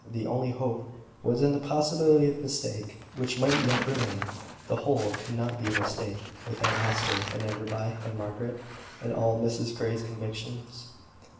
The only hope was in the possibility of mistake, which might yet remain. The whole could not be mistake, about Hester, and Enderby, and Margaret, and all Mrs Grey's convictions.